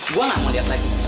gue gak mau lihat lagi